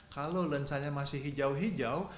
kalau lensanya masih hijau hijau